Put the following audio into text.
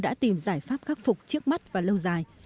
đã tìm giải pháp khắc phục trước mắt và lâu dài